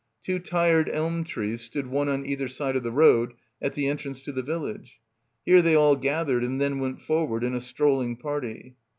Two tired elm trees stood one on either side of the road at the entrance to the village. Here they all gathered and then went forward in a strolling party.